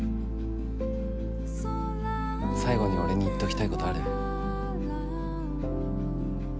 最後に俺に言っときたいことある？